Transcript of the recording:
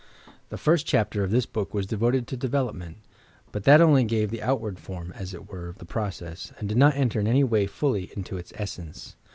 The first chapter of this book was devoted to Devel opment; but that gave oniy the "outward form," as it were, of the process; and did not enter in any way fully into its essence.